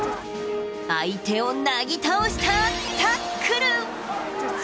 相手をなぎ倒したタックル。